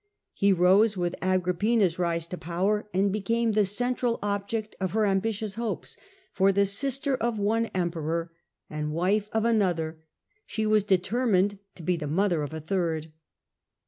He rose with Agrippina's rise to power, and became the central object of her ambitious hopes ; for, the sister of one emperor and wife of another, she was determined to be the liroughtfur Hiothci* of a third.